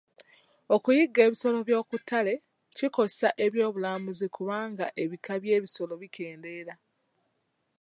Okuyigga ebisolo by'okuttale kikosa ebyobulambuuzi kubanga ebika by'ebisolo bikeendera.